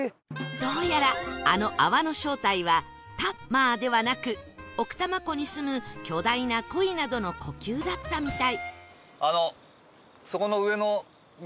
どうやらあの泡の正体はタッマーではなく奥多摩湖にすむ巨大な鯉などの呼吸だったみたい